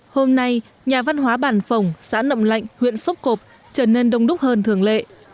hôm nay nhà văn hóa bàn phòng xã nậm lạnh huyện xốp cộp trở nên đông đúc hơn thường lệ